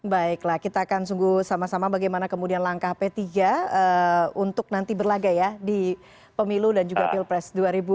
baiklah kita akan sungguh sama sama bagaimana kemudian langkah p tiga untuk nanti berlaga ya di pemilu dan juga pilpres dua ribu dua puluh